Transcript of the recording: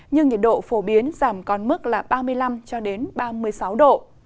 nhưng nhiệt độ phổ biến giảm còn mức là ba mươi năm ba mươi sáu độ